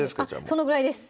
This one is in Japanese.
そのぐらいです